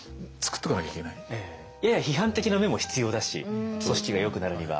やや批判的な目も必要だし組織がよくなるには。